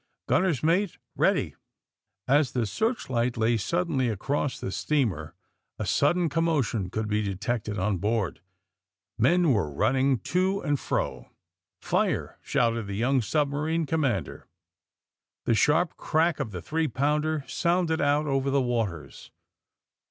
Gunner's mate, ready !'^ As the searchlight lay suddenly across the steamer a sudden commotion could be detected on board. Men were running to and fro. Fire!" shouted the young submarine com mander. The sharp crack of the three pounder sounded out over the waters.